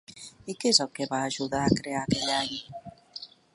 I què és el que va ajudar a crear aquell any?